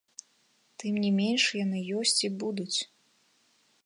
Тым не менш, яны ёсць і будуць.